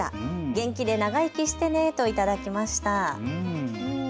元気で長生きしてねと頂きました。